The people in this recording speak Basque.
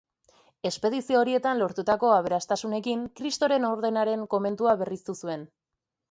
Espedizio horietan lortutako aberastasunekin Kristoren Ordenaren komentua berriztu zuen.